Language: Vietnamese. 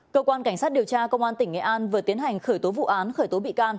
cơ quan cảnh sát điều tra công an tỉnh nghệ an vừa tiến hành khởi tố vụ án khởi tố bị can